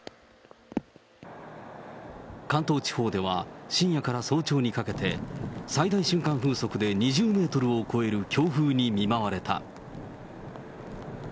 関東地方では深夜から早朝にかけて、最大瞬間風速で２０メートルを超える強風に見舞われた。